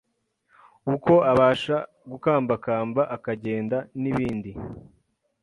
uko abasha gukambakamba akagenda n’ibindi.